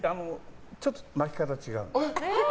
ちょっと巻き方が違う。